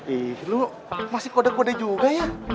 eh lu masih kode kode juga ya